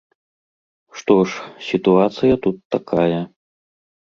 Што ж, сітуацыя тут такая.